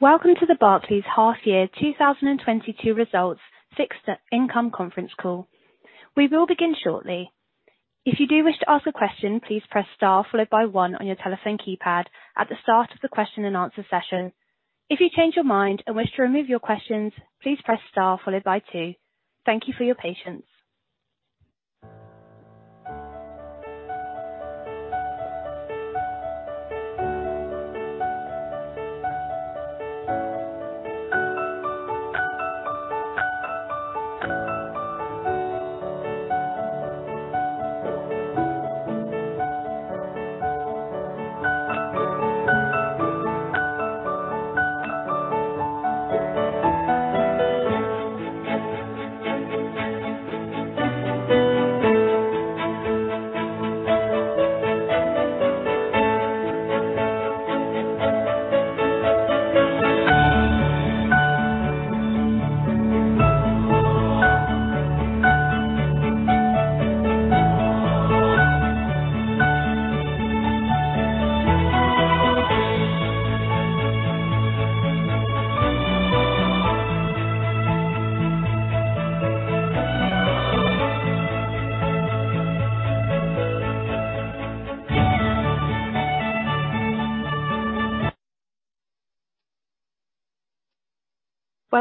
Welcome to the Barclays Half Year 2022 Results Fixed Income Conference Call. We will begin shortly. If you do wish to ask a question, please press star followed by one on your telephone keypad at the start of the question-and-answer session. If you change your mind and wish to remove your questions, please press star followed by two. Thank you for your patience.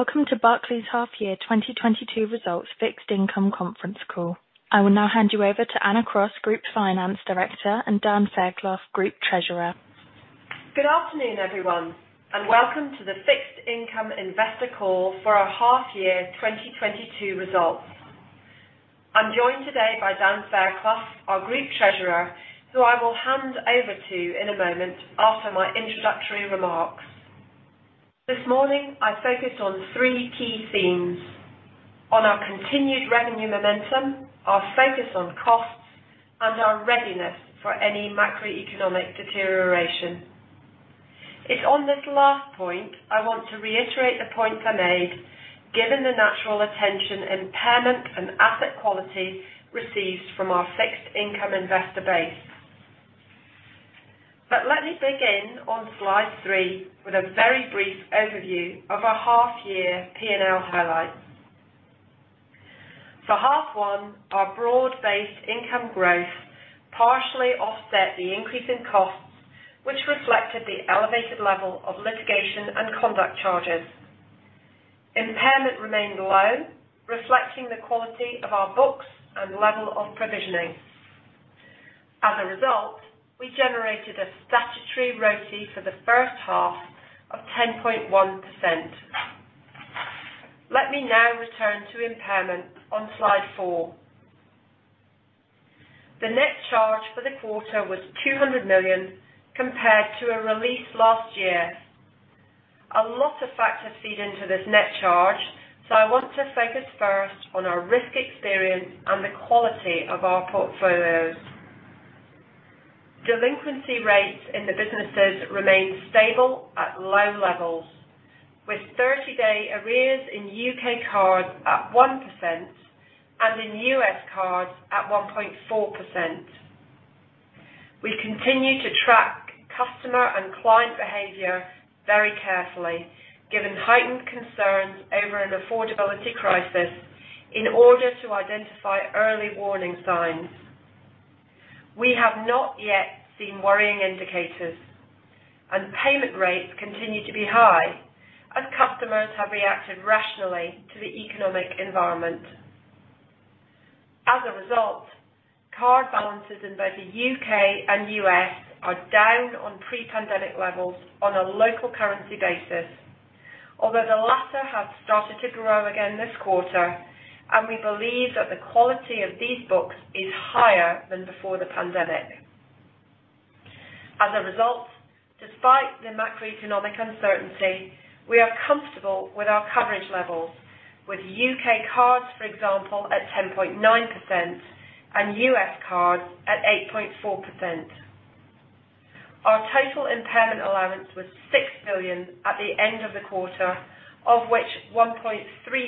Welcome to the Barclays Half Year 2022 Results Fixed Income Conference Call. I will now hand you over to Anna Cross, Group Finance Director, and Dan Fairclough, Group Treasurer. Good afternoon, everyone, and welcome to the Fixed Income Investor Call for our Half Year 2022 results. I'm joined today by Dan Fairclough, our Group Treasurer, who I will hand over to in a moment after my introductory remarks. This morning, I focus on three key themes, on our continued revenue momentum, our focus on costs, and our readiness for any macroeconomic deterioration. It's on this last point I want to reiterate the point I made given the natural attention to impairment and asset quality received from our fixed income investor base. Let me begin on slide three with a very brief overview of our half year P&L highlights. For H1, our broad-based income growth partially offset the increase in costs, which reflected the elevated level of litigation and conduct charges. Impairment remained low, reflecting the quality of our books and level of provisioning. As a result, we generated a statutory ROTCE for the first half of 10.1%. Let me now return to impairment on slide four. The net charge for the quarter was 200 million compared to a release last year. A lot of factors feed into this net charge, so I want to focus first on our risk experience and the quality of our portfolios. Delinquency rates in the businesses remain stable at low levels, with 30-day arrears in U.K. Card at 1% and in U.S. Card at 1.4%. We continue to track customer and client behavior very carefully, given heightened concerns over an affordability crisis in order to identify early warning signs. We have not yet seen worrying indicators, and payment rates continue to be high as customers have reacted rationally to the economic environment. As a result, card balances in both the U.K. and U.S. are down on pre-pandemic levels on a local currency basis. Although the latter has started to grow again this quarter, and we believe that the quality of these books is higher than before the pandemic. As a result, despite the macroeconomic uncertainty, we are comfortable with our coverage levels with U.K. Cards, for example, at 10.9% and U.S. Cards at 8.4%. Our total impairment allowance was 6 billion at the end of the quarter, of which 1.3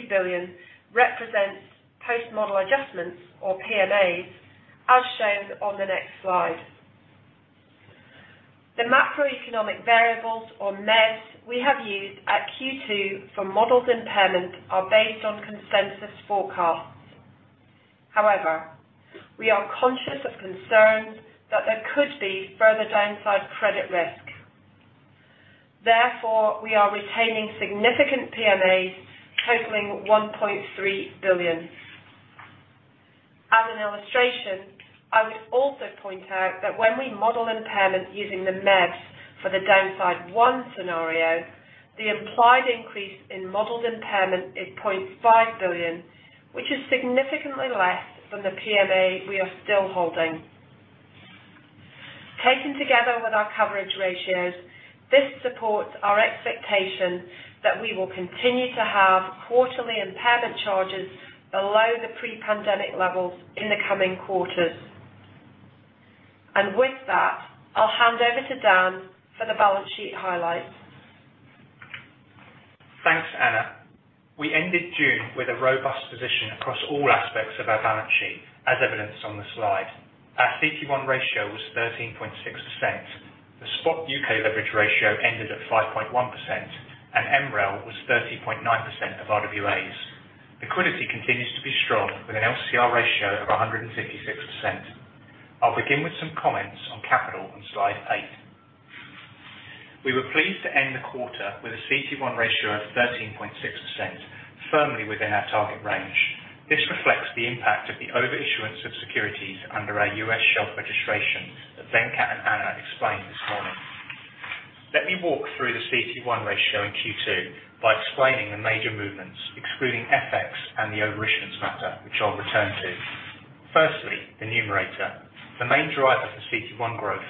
billion represents post-model adjustments or PMAs, as shown on the next slide. The macroeconomic variables or MEVs we have used at Q2 for modeled impairment are based on consensus forecasts. However, we are conscious of concerns that there could be further downside credit risk. Therefore, we are retaining significant PMAs totaling 1.3 billion. As an illustration, I would also point out that when we model impairment using the MEVs for the downside one scenario, the implied increase in modeled impairment is 0.5 billion, which is significantly less than the PMA we are still holding. Taken together with our coverage ratios, this supports our expectation that we will continue to have quarterly impairment charges below the pre-pandemic levels in the coming quarters. With that, I'll hand over to Dan for the balance sheet highlights. We ended June with a robust position across all aspects of our balance sheet, as evidenced on the slide. Our CT1 ratio was 13.6%. The spot U.K. leverage ratio ended at 5.1%, and MREL was 30.9% of RWAs. Liquidity continues to be strong with an LCR ratio of 166%. I'll begin with some comments on capital on slide eight. We were pleased to end the quarter with a CT1 ratio of 13.6%, firmly within our target range. This reflects the impact of the overissuance of securities under our U.S. shelf registration that Venkat and Anna explained this morning. Let me walk through the CT1 ratio in Q2 by explaining the major movements, excluding FX and the overissuance matter, which I'll return to. Firstly, the numerator. The main driver for CT1 growth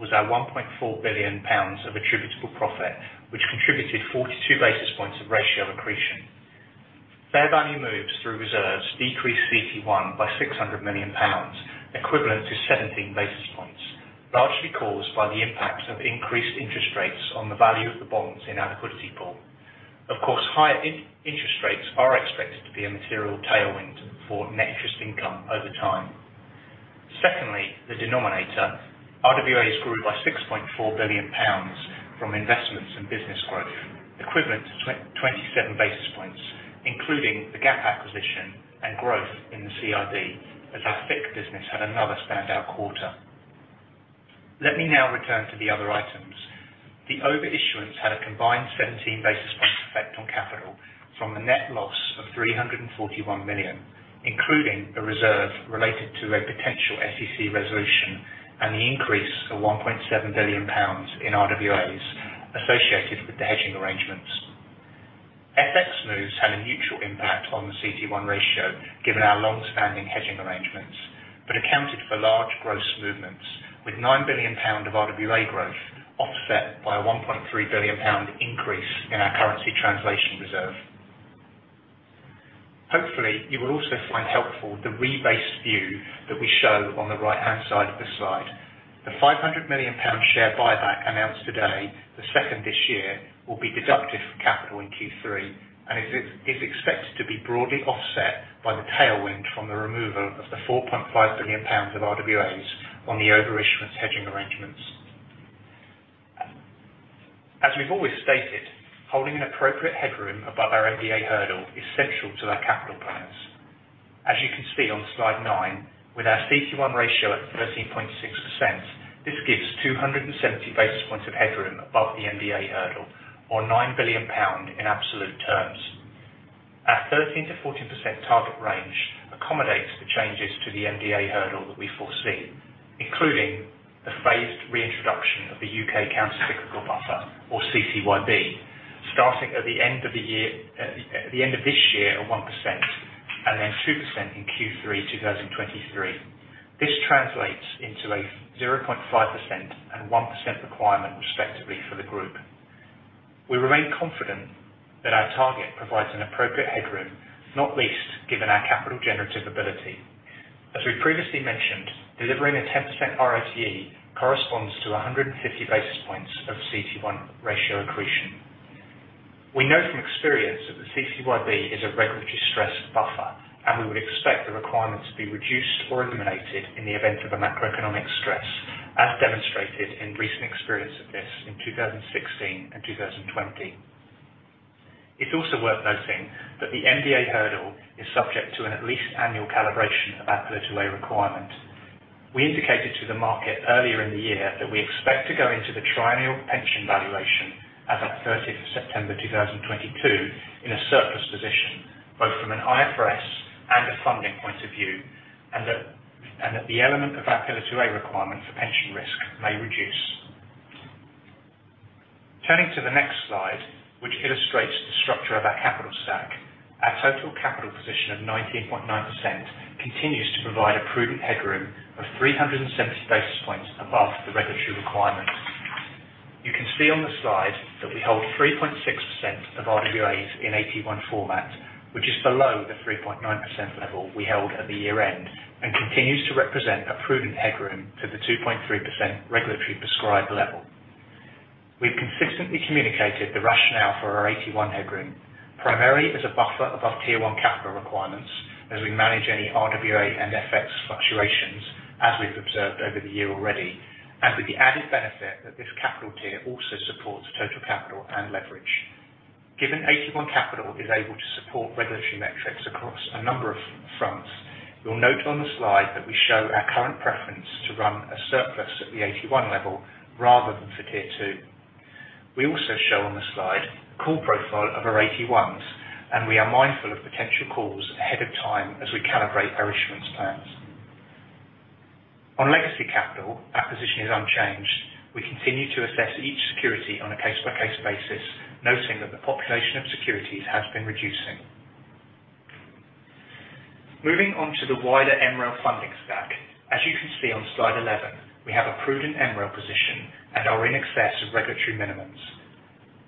was our 1.4 billion pounds of attributable profit, which contributed 42 basis points of ratio accretion. Fair value moves through reserves decreased CT1 by 600 million pounds, equivalent to 17 basis points, largely caused by the impact of increased interest rates on the value of the bonds in our liquidity pool. Of course, higher interest rates are expected to be a material tailwind for net interest income over time. Secondly, the denominator. RWAs grew by 6.4 billion pounds from investments and business growth, equivalent to 27 basis points, including the Gap acquisition and growth in the CIB, as our FICC business had another standout quarter. Let me now return to the other items. The overissuance had a combined 17 basis points effect on capital from the net loss of 341 million, including a reserve related to a potential SEC resolution and the increase of 1.7 billion pounds in RWAs associated with the hedging arrangements. FX moves had a neutral impact on the CT1 ratio, given our long-standing hedging arrangements, but accounted for large gross movements with 9 billion pound of RWAs growth offset by a 1.3 billion pound increase in our currency translation reserve. Hopefully, you will also find helpful the rebased view that we show on the right-hand side of the slide. The 500 million pound share buyback announced today, the second this year, will be deducted from capital in Q3 and is expected to be broadly offset by the tailwind from the removal of the 4.5 billion pounds of RWAs on the overissuance hedging arrangements. As we've always stated, holding an appropriate headroom above our MDA hurdle is central to our capital plans. As you can see on slide nine, with our CT1 ratio at 13.6%, this gives 270 basis points of headroom above the MDA hurdle, or 9 billion pound in absolute terms. Our 13% to 14% target range accommodates the changes to the MDA hurdle that we foresee, including the phased reintroduction of the U.K. countercyclical buffer, or CCYB, starting at the end of the year. At the end of this year at 1%, and then 2% in Q3 2023. This translates into a 0.5% and 1% requirement, respectively, for the group. We remain confident that our target provides an appropriate headroom, not least given our capital generative ability. As we previously mentioned, delivering a 10% RoTE corresponds to 150 basis points of CT1 ratio accretion. We know from experience that the CCYB is a regulatory stress buffer, and we would expect the requirement to be reduced or eliminated in the event of a macroeconomic stress, as demonstrated in recent experience of this in 2016 and 2020. It's also worth noting that the MDA hurdle is subject to an at least annual calibration of our Pillar 2A requirement. We indicated to the market earlier in the year that we expect to go into the triennial pension valuation as at 30th of September 2022 in a surplus position, both from an IFRS and a funding point of view, and that the element of our Pillar 2A requirement for pension risk may reduce. Turning to the next slide, which illustrates the structure of our capital stack. Our total capital position of 19.9% continues to provide a prudent headroom of 370 basis points above the regulatory requirements. You can see on the slide that we hold 3.6% of RWAs in AT1 format, which is below the 3.9% level we held at the year-end and continues to represent a prudent headroom to the 2.3% regulatory prescribed level. We've consistently communicated the rationale for our AT1 headroom, primarily as a buffer above tier 1 capital requirements as we manage any RWA and FX fluctuations as we've observed over the year already, and with the added benefit that this capital tier also supports total capital and leverage. Given AT1 capital is able to support regulatory metrics across a number of fronts, you'll note on the slide that we show our current preference to run a surplus at the AT1 level rather than for tier 2. We also show on the slide call profile of our AT1s, and we are mindful of potential calls ahead of time as we calibrate our issuance plans. On legacy capital, our position is unchanged. We continue to assess each security on a case-by-case basis, noting that the population of securities has been reducing. Moving on to the wider MREL funding stack. As you can see on slide 11, we have a prudent MREL position and are in excess of regulatory minimums.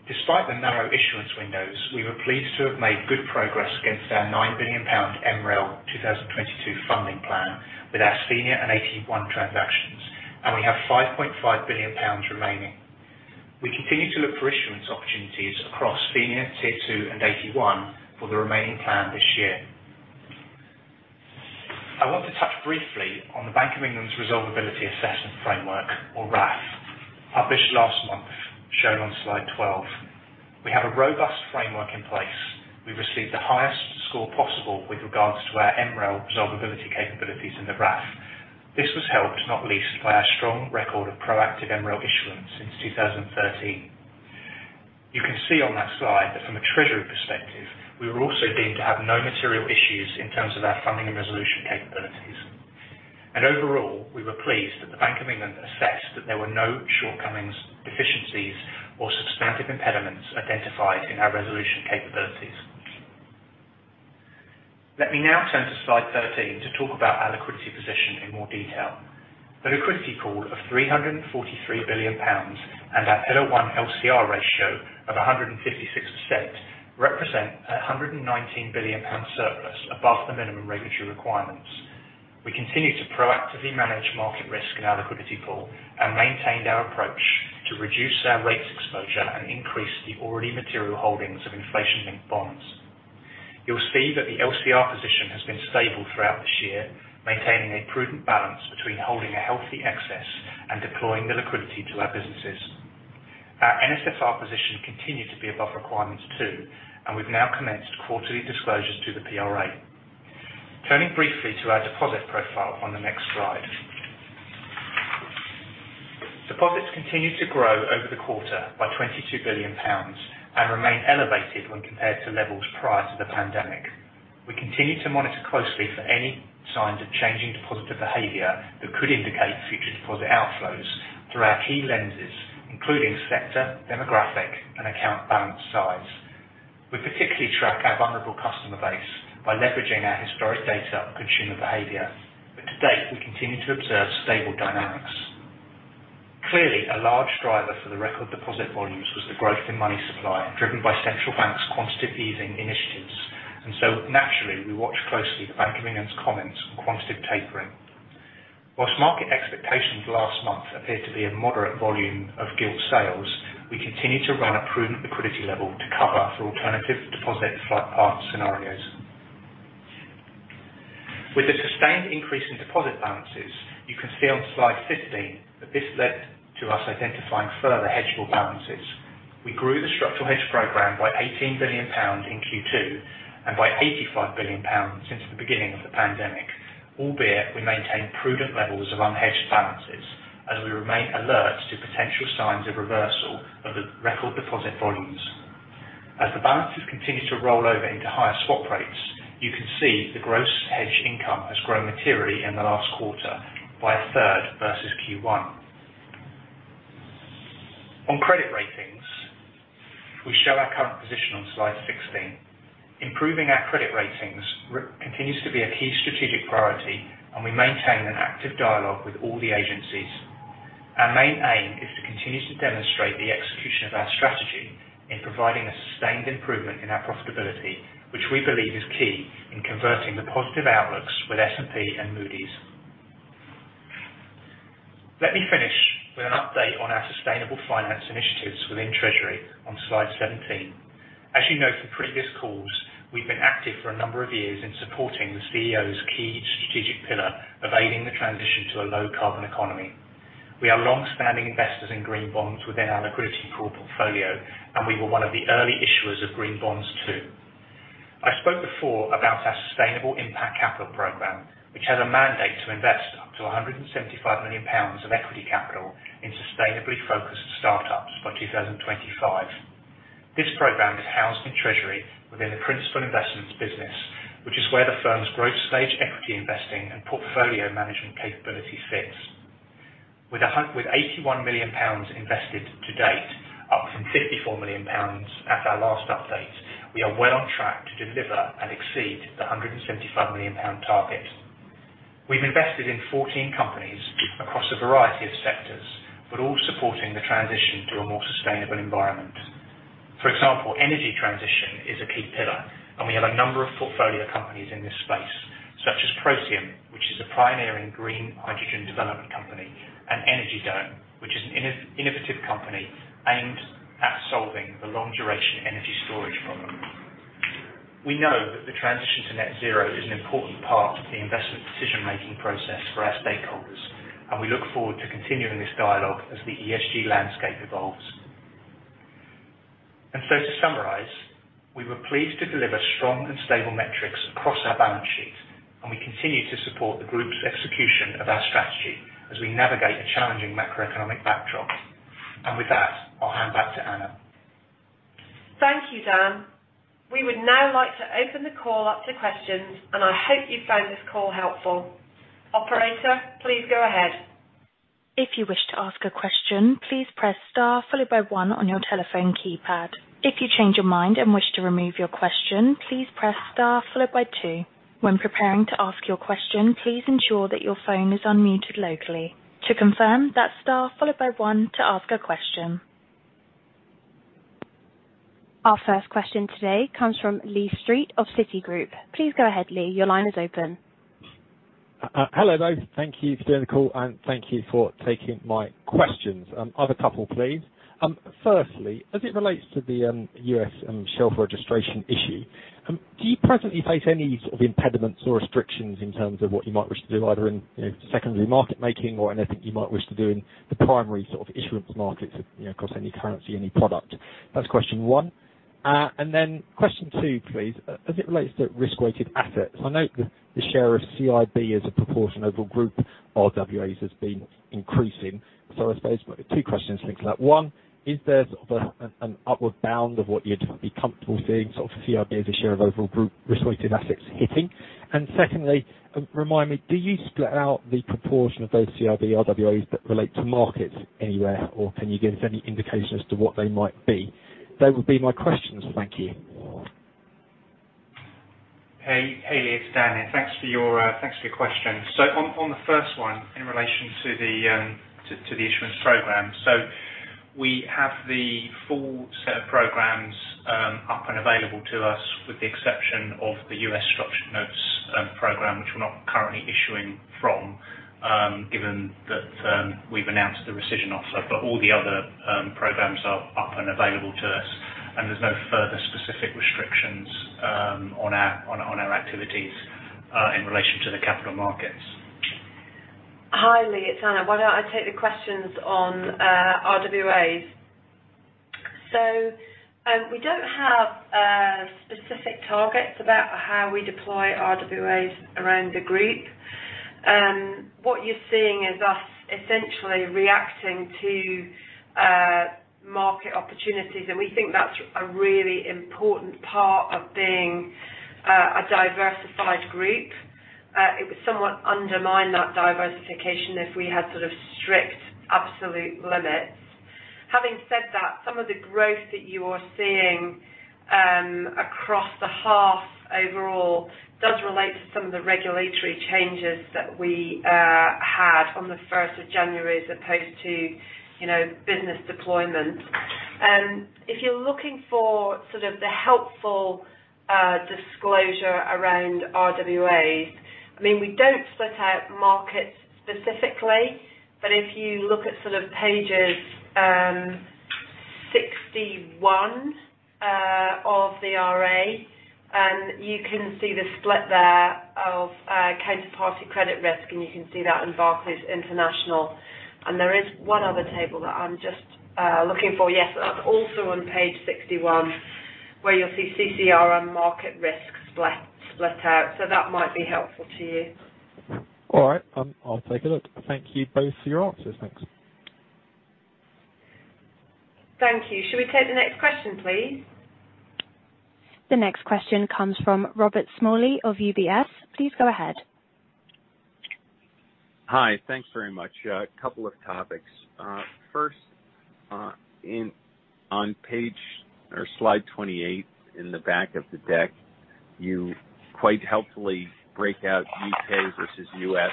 Despite the narrow issuance windows, we were pleased to have made good progress against our 9 billion pound MREL 2022 funding plan with senior and AT1 transactions, and we have 5.5 billion pounds remaining. We continue to look for issuance opportunities across senior, tier 2, and AT1 for the remaining plan this year. I want to touch briefly on the Bank of England's Resolvability Assessment Framework, or RAF, published last month, shown on slide 12. We have a robust framework in place. We received the highest score possible with regards to our MREL resolvability capabilities in the RAF. This was helped, not least, by our strong record of proactive MREL issuance since 2013. You can see on that slide that from a treasury perspective, we were also deemed to have no material issues in terms of our funding and resolution capabilities. Overall, we were pleased that the Bank of England assessed that there were no shortcomings, deficiencies, or substantive impediments identified in our resolution capabilities. Let me now turn to slide 13 to talk about our liquidity position in more detail. The liquidity pool of 343 billion pounds and our Pillar 1 LCR ratio of 156% represent a 119 billion pound surplus above the minimum regulatory requirements. We continue to proactively manage market risk in our liquidity pool and maintained our approach to reduce our rates exposure and increase the already material holdings of inflation-linked bonds. You'll see that the LCR position has been stable throughout this year, maintaining a prudent balance between holding a healthy excess and deploying the liquidity to our businesses. Our NSFR position continued to be above requirements too, and we've now commenced quarterly disclosures to the PRA. Turning briefly to our deposit profile on the next slide. Deposits continued to grow over the quarter by 22 billion pounds and remain elevated when compared to levels prior to the pandemic. We continue to monitor closely for any signs of changing depositor behavior that could indicate future deposit outflows through our key lenses, including sector, demographic, and account balance size. We particularly track our vulnerable customer base by leveraging our historic data on consumer behavior, but to date, we continue to observe stable dynamics. Clearly, a large driver for the record deposit volumes was the growth in money supply driven by central bank's quantitative easing initiatives. Naturally, we watch closely the Bank of England's comments on quantitative tapering. While market expectations last month appeared to be a moderate volume of gilt sales, we continue to run a prudent liquidity level to cover for alternative deposit flight path scenarios. With the sustained increase in deposit balances, you can see on slide 15 that this led to us identifying further hedged balances. We grew the structural hedge program by 18 billion pounds in Q2 and by 85 billion pounds since the beginning of the pandemic, albeit we maintain prudent levels of unhedged balances as we remain alert to potential signs of reversal of the record deposit volumes. As the balances continue to roll over into higher swap rates, you can see the gross hedge income has grown materially in the last quarter by a third versus Q1. On credit ratings, we show our current position on slide 16. Improving our credit ratings continues to be a key strategic priority, and we maintain an active dialogue with all the agencies. Our main aim is to continue to demonstrate the execution of our strategy in providing a sustained improvement in our profitability, which we believe is key in converting the positive outlooks with S&P and Moody's. Let me finish with an update on our sustainable finance initiatives within Treasury on slide 17. As you know from previous calls, we've been active for a number of years in supporting the CEO's key strategic pillar of aiding the transition to a low carbon economy. We are longstanding investors in green bonds within our liquidity pool portfolio, and we were one of the early issuers of green bonds too. I spoke before about our sustainable impact capital program, which has a mandate to invest up to 175 million pounds of equity capital in sustainably focused startups by 2025. This program is housed in Treasury within the principal investments business, which is where the firm's growth stage equity investing and portfolio management capability fits. With 81 million pounds invested to date, up from 54 million pounds at our last update, we are well on track to deliver and exceed the 175 million pound target. We've invested in 14 companies across a variety of sectors, but all supporting the transition to a more sustainable environment. For example, energy transition is a key pillar, and we have a number of portfolio companies in this space, such as Protium, which is a pioneering green hydrogen development company, and Energy Dome, which is an innovative company aimed at solving the long duration energy storage problem. We know that the transition to net zero is an important part of the investment decision making process for our stakeholders, and we look forward to continuing this dialogue as the ESG landscape evolves. To summarize, we were pleased to deliver strong and stable metrics across our balance sheet, and we continue to support the group's execution of our strategy as we navigate a challenging macroeconomic backdrop. With that, I'll hand back to Anna. Thank you, Dan. We would now like to open the call up to questions, and I hope you found this call helpful. Operator, please go ahead. If you wish to ask a question, please press star followed by one on your telephone keypad. If you change your mind and wish to remove your question, please press star followed by two. When preparing to ask your question, please ensure that your phone is unmuted locally. To confirm, that's star followed by one to ask a question. Our first question today comes from Lee Street of Citigroup. Please go ahead, Lee. Your line is open. Hello, both. Thank you for doing the call, and thank you for taking my questions. I have a couple, please. Firstly, as it relates to the U.S. and shelf registration issue, do you presently face any sort of impediments or restrictions in terms of what you might wish to do, either in, you know, secondary market making or anything you might wish to do in the primary sort of issuance markets, you know, across any currency, any product? That's question one. Question two, please. As it relates to risk-weighted assets, I note the share of CIB as a proportion of group RWAs has been increasing. I suppose we've got two questions linked to that. One, is there sort of an upper bound of what you'd be comfortable seeing sort of CIB as a share of overall group risk-weighted assets hitting? And secondly, remind me, do you split out the proportion of those CIB RWAs that relate to markets anywhere, or can you give us any indication as to what they might be? They would be my questions. Thank you. Hey, Lee. It's Dan here. Thanks for your questions. On the first one, in relation to the issuance program. We have the full set of programs up and available to us, with the exception of the U.S. structured notes program, which we're not currently issuing from, given that we've announced the rescission offer. All the other programs are up and available to us, and there's no further specific restrictions on our activities in relation to the capital markets. Hi, Lee, it's Anna. Why don't I take the questions on RWAs? We don't have specific targets about how we deploy RWAs around the group. What you're seeing is us essentially reacting to market opportunities, and we think that's a really important part of being a diversified group. It would somewhat undermine that diversification if we had sort of strict absolute limits. Having said that, some of the growth that you are seeing across the half overall does relate to some of the regulatory changes that we had on the first of January, as opposed to, you know, business deployment. If you're looking for sort of the helpful disclosure around RWAs, I mean, we don't split out markets specifically, but if you look at sort of pages 61 of the RA, you can see the split there of counterparty credit risk, and you can see that in Barclays International. There is one other table that I'm just looking for. Yes. That's also on page 61, where you'll see CCR and market risk split out. That might be helpful to you. All right. I'll take a look. Thank you both for your answers. Thanks. Thank you. Should we take the next question, please? The next question comes from Robert Smalley of UBS. Please go ahead. Hi. Thanks very much. A couple of topics. First, on page or slide 28 in the back of the deck, you quite helpfully break out U.K. versus U.S.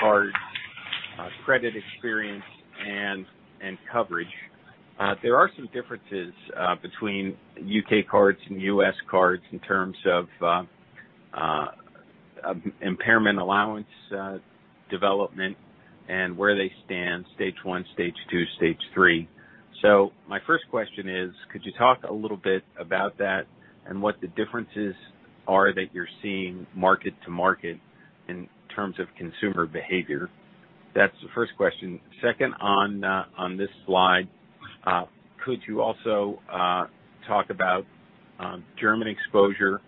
cards, credit experience and coverage. There are some differences between U.K. cards and U.S. cards in terms of impairment allowance development and where they stand, stage one, stage two, stage three. My first question is, could you talk a little bit about that and what the differences are that you're seeing market to market in terms of consumer behavior? That's the first question. Second, on this slide, could you also talk about German exposure,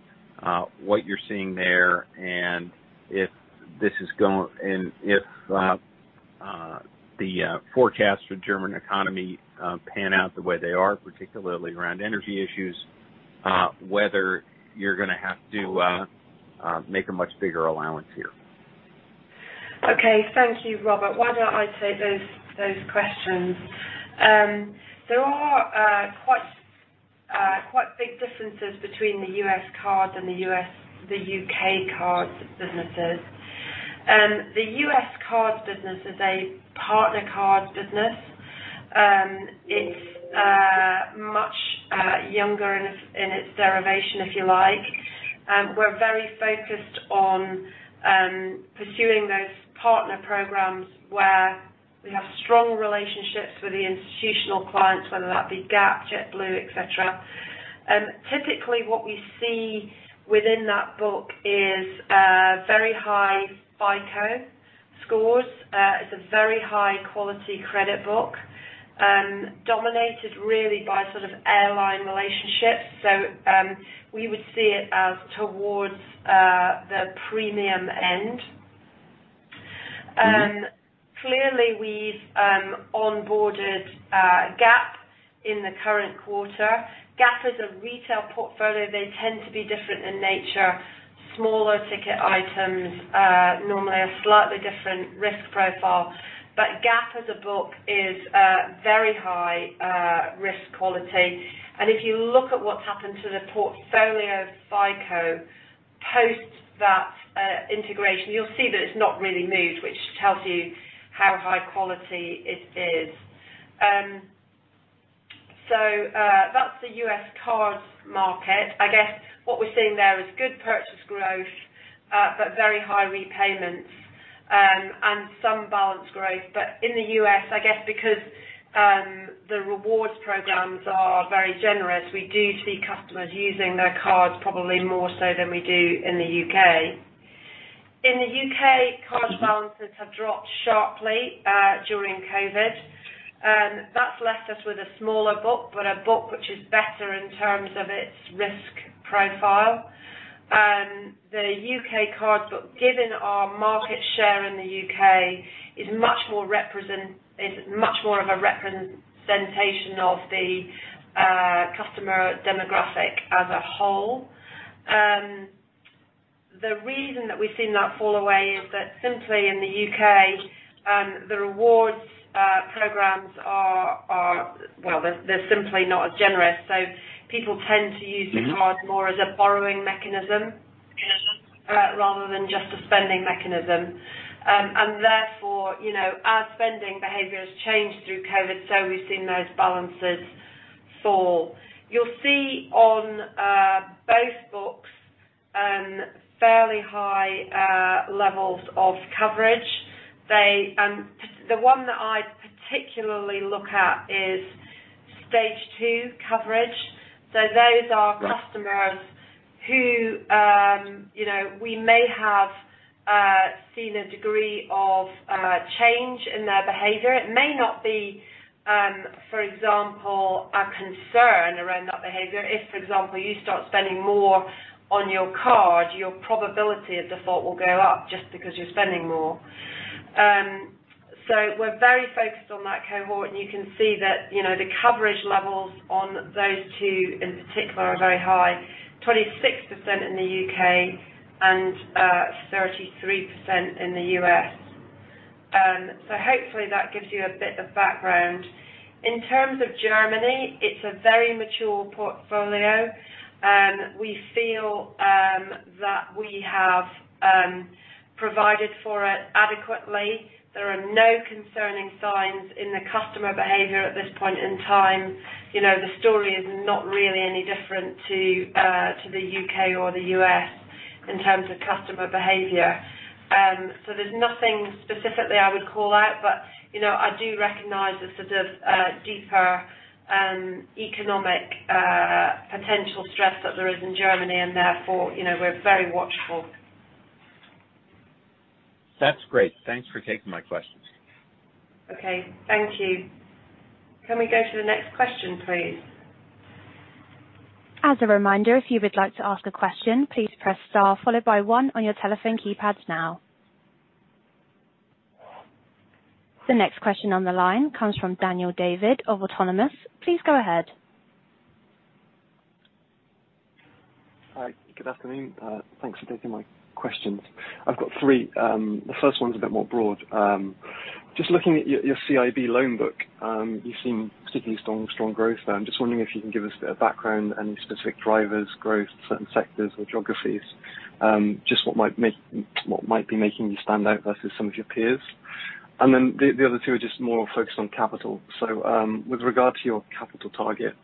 what you're seeing there, and if this is going. If the forecasts for the German economy pan out the way they are, particularly around energy issues, whether you're gonna have to make a much bigger allowance here. Okay. Thank you, Robert. Why don't I take those questions? There are quite big differences between the U.S. cards and the U.K. cards businesses. The U.S. cards business is a partner cards business. It's much younger in its derivation, if you like. We're very focused on pursuing those partner programs where we have strong relationships with the institutional clients, whether that be Gap, JetBlue, et cetera. Typically what we see within that book is very high FICO scores. It's a very high quality credit book, dominated really by sort of airline relationships. We would see it as towards the premium end. Clearly we've onboarded Gap in the current quarter. Gap is a retail portfolio. They tend to be different in nature, smaller ticket items, normally a slightly different risk profile. Gap as a book is very high risk quality. If you look at what's happened to the portfolio FICO post that integration, you'll see that it's not really moved, which tells you how high quality it is. That's the U.S. cards market. I guess what we're seeing there is good purchase growth, but very high repayments, and some balance growth. In the U.S., I guess because the rewards programs are very generous, we do see customers using their cards probably more so than we do in the U.K. In the U.K., card balances have dropped sharply during COVID. That's left us with a smaller book, but a book which is better in terms of its risk profile. The U.K. cards book, given our market share in the U.K., is much more of a representation of the customer demographic as a whole. The reason that we've seen that fall away is that simply in the U.K., the rewards programs are well, they're simply not as generous. People tend to use the card more as a borrowing mechanism, rather than just a spending mechanism. Therefore, you know, our spending behavior has changed through COVID, so we've seen those balances fall. You'll see on, both books, fairly high, levels of coverage. They, the one that I particularly look at is stage two coverage. Those are customers who, you know, we may have, seen a degree of, change in their behavior. It may not be, for example, a concern around that behavior. If, for example, you start spending more on your card, your probability of default will go up just because you're spending more. We're very focused on that cohort, and you can see that, you know, the coverage levels on those two in particular are very high, 26% in the U.K. and 33% in the U.S. Hopefully that gives you a bit of background. In terms of Germany, it's a very mature portfolio. We feel that we have provided for it adequately. There are no concerning signs in the customer behavior at this point in time. You know, the story is not really any different to the U.K. or the U.S. in terms of customer behavior. There's nothing specifically I would call out, but, you know, I do recognize the sort of deeper economic potential stress that there is in Germany and therefore, you know, we're very watchful. That's great. Thanks for taking my questions. Okay. Thank you. Can we go to the next question, please? As a reminder, if you would like to ask a question, please press star followed by one on your telephone keypads now. The next question on the line comes from Daniel David of Autonomous. Please go ahead. Hi. Good afternoon. Thanks for taking my questions. I've got three. The first one's a bit more broad. Just looking at your CIB loan book, you've seen particularly strong growth there. I'm just wondering if you can give us a bit of background, any specific drivers, growth, certain sectors or geographies, just what might be making you stand out versus some of your peers. Then the other two are just more focused on capital. With regard to your capital target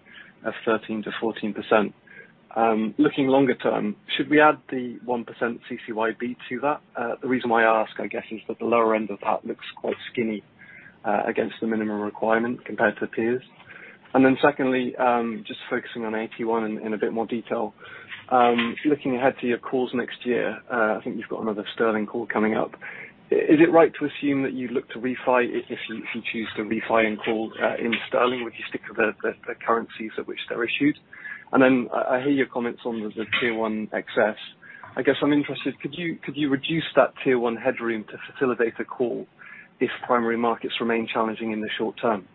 of 13% to 14%, looking longer term, should we add the 1% CCYB to that? The reason why I ask, I guess, is that the lower end of that looks quite skinny against the minimum requirement compared to peers. Secondly, just focusing on AT1 in a bit more detail. Looking ahead to your calls next year, I think you've got another sterling call coming up. Is it right to assume that you look to refi if you choose to refi and call in sterling? Would you stick with the currencies at which they're issued? I hear your comments on the Tier 1 excess. I guess I'm interested, could you reduce that Tier 1 headroom to facilitate a call if primary markets remain challenging in the short term?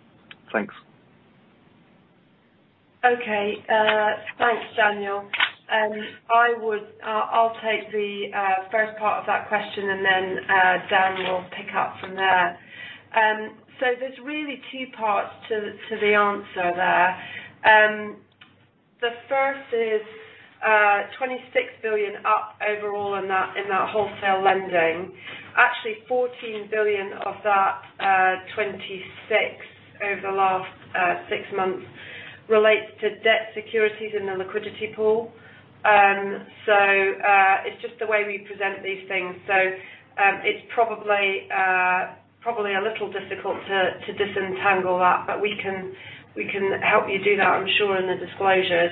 Thanks. Okay. Thanks, Daniel. I'll take the first part of that question and then Dan Fairclough will pick up from there. There's really two parts to the answer there. The first is 26 billion up overall in that wholesale lending. Actually, 14 billion of that 26 over the last six months relates to debt securities in the liquidity pool. It's just the way we present these things. It's probably a little difficult to disentangle that, but we can help you do that, I'm sure, in the disclosures.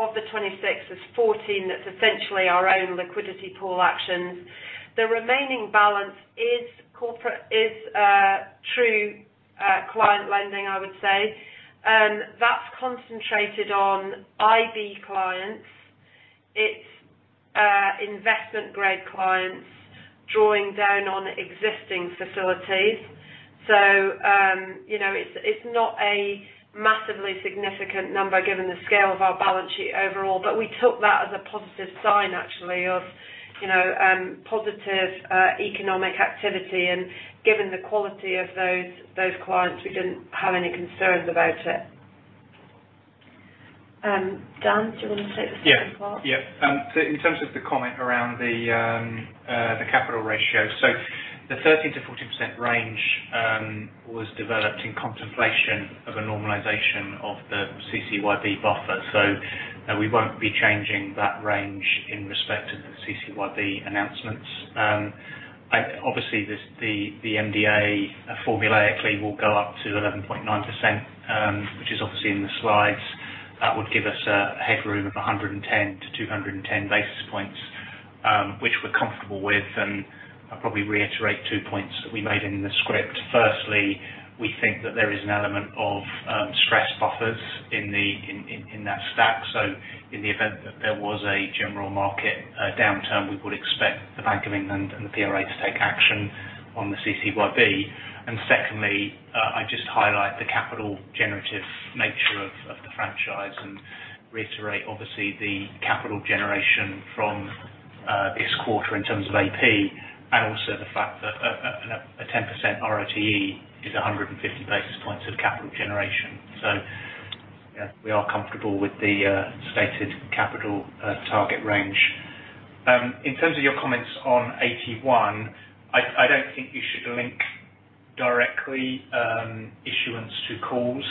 Of the 26, there's 14 that's essentially our own liquidity pool actions. The remaining balance is true client lending, I would say. That's concentrated on IB clients. It's investment-grade clients drawing down on existing facilities. You know, it's not a massively significant number given the scale of our balance sheet overall, but we took that as a positive sign actually of, you know, positive economic activity. Given the quality of those clients, we didn't have any concerns about it. Dan, do you want to take this one as well? Yeah. In terms of the comment around the capital ratio. The 30%-40% range was developed in contemplation of a normalization of the CCYB buffer. We won't be changing that range in respect of the CCYB announcements. Obviously, the MDA formulaically will go up to 11.9%, which is obviously in the slides. That would give us a headroom of 110 to 210 basis points, which we're comfortable with. I'll probably reiterate two points that we made in the script. Firstly, we think that there is an element of stress buffers in that stack. In the event that there was a general market downturn, we would expect the Bank of England and the PRA to take action on the CCYB. Secondly, I just highlight the capital generative nature of the franchise and reiterate obviously the capital generation from this quarter in terms of AP and also the fact that a 10% ROTE is 150 basis points of capital generation. Yeah, we are comfortable with the stated capital target range. In terms of your comments on AT1, I don't think you should link directly issuance to calls,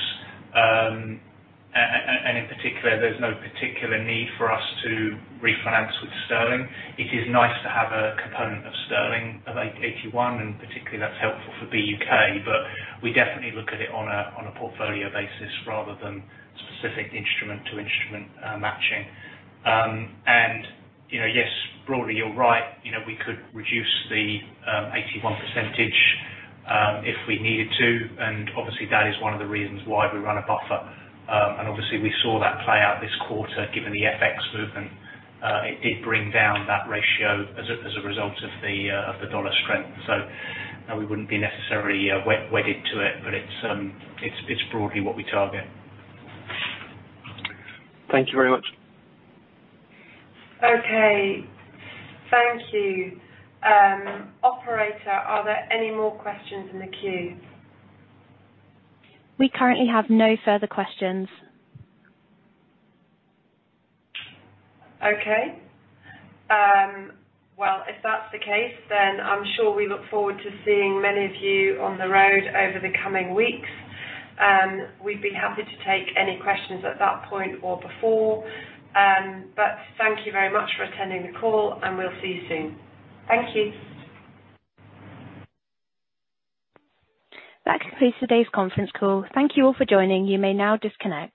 and in particular, there's no particular need for us to refinance with sterling. It is nice to have a component of sterling AT1, and particularly that's helpful for BUK. We definitely look at it on a portfolio basis rather than specific instrument-to-instrument matching. You know, yes, broadly you're right. You know, we could reduce the 81%, if we needed to, and obviously that is one of the reasons why we run a buffer. We saw that play out this quarter, given the FX movement. It did bring down that ratio as a result of the dollar strength. No, we wouldn't be necessarily wedded to it, but it's broadly what we target. Thank you very much. Okay. Thank you. Operator, are there any more questions in the queue? We currently have no further questions. Okay. Well, if that's the case, then I'm sure we look forward to seeing many of you on the road over the coming weeks. We'd be happy to take any questions at that point or before. Thank you very much for attending the call, and we'll see you soon. Thank you. That concludes today's conference call. Thank you all for joining. You may now disconnect.